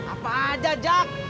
apa aja jak